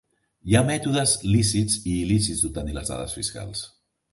Hi ha mètodes lícits i il·lícits d'obtenir les dades fiscals.